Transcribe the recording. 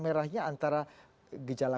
merahnya antara gejala